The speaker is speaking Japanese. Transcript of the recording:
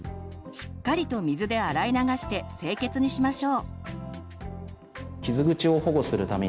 しっかりと水で洗い流して清潔にしましょう。